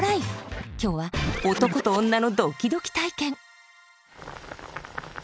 今日は男と女のドキドキ体験。